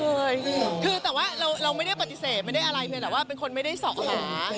เคยคือแต่ว่าเราไม่ได้ปฏิเสธไม่ได้อะไรเพียงแต่ว่าเป็นคนไม่ได้ส่องหา